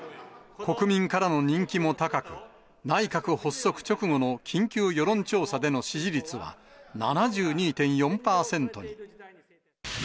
国民からの人気も高く、内閣発足直後の緊急世論調査での支持率は７２．４％に。